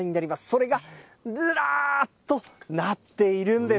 それがずらーっとなっているんです。